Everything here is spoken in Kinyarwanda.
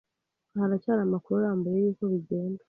Haracyari amakuru arambuye y'uko bigenda